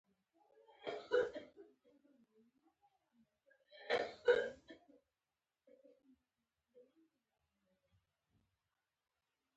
• ورځ د نویو تجربو وخت دی.